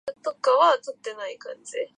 僕が機械を眺めていると、気持ちいいねと君は言った